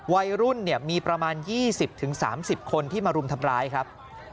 วัยรุ่นมีประมาณ๒๐๓๐คนที่มารุมทำร้ายครับ